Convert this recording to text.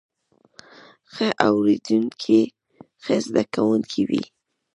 ښه اوریدونکی ښه زده کوونکی وي